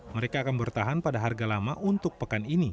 mereka akan bertahan pada harga lama untuk pekan ini